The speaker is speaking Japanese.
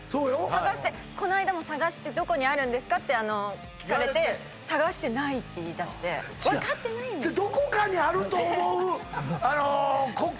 捜してこの間も捜してどこにあるんですかって聞かれて捜して「ない」って言いだして分かってないんですよ